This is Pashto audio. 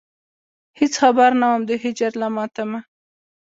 هېڅ خبر نه وم د هجر له ماتمه.